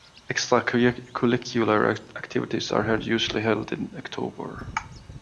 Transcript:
Extra-curricular activities are held usually held in October.